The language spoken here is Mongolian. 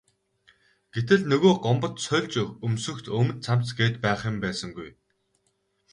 Гэтэл нөгөө Гомбод сольж өмсөх өмд цамц гээд байх юм байсангүй.